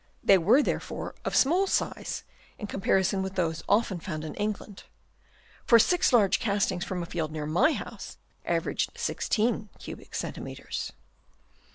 They were, therefore, of small size in comparison with those often found in England ; for six large castings from a field near my house averaged 16 cubic centi meters.